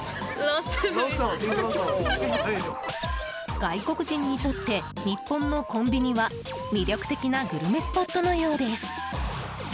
外国人にとって日本のコンビニは魅力的なグルメスポットのようです。